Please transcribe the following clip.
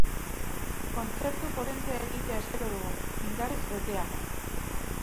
Kontzertu potentea egitea espero dugu, indarrez betea.